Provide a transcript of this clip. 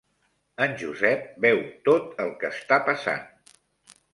En Josep veu tot el que està passant.